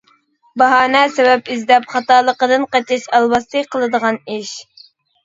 باھانە-سەۋەب ئىزدەپ خاتالىقىدىن قېچىش، ئالۋاستى قىلىدىغان ئىش.